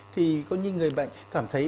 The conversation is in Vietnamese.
thì coi như người bệnh cảm thấy